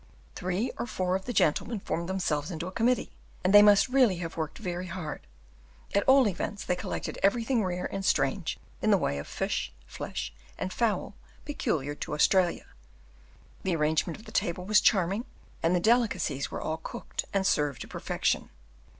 Three or four of the gentlemen formed themselves into a committee, and they must really have worked very hard; at all events they collected everything rare and strange in the way of fish, flesh, and fowl peculiar to Australia, the arrangement of the table was charming, and the delicacies were all cooked and served to perfection.